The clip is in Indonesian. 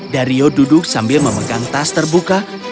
dario duduk sambil memegangnya